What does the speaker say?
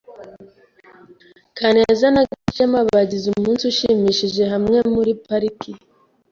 Kaneza na Gashema bagize umunsi ushimishije hamwe muri pariki.